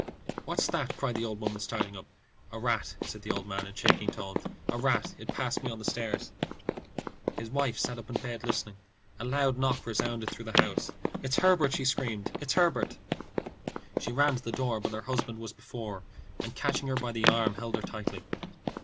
"What's that?" cried the old woman, starting up. "A rat," said the old man in shaking tones "a rat. It passed me on the stairs." His wife sat up in bed listening. A loud knock resounded through the house. "It's Herbert!" she screamed. "It's Herbert!" She ran to the door, but her husband was before her, and catching her by the arm, held her tightly.